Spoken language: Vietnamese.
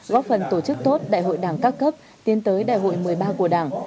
góp phần tổ chức tốt đại hội đảng các cấp tiến tới đại hội một mươi ba của đảng